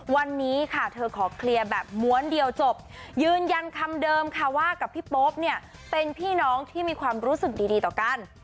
วันนี้ค่ะเธอขอเคลียร์แบบม้วนเดียวจบยืนยันคำเดิมค่ะว่ากับพี่โป๊ปเนี่ยเป็นพี่น้องที่มีความรู้สึกดีต่อกัน